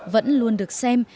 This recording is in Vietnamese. vẫn luôn được xem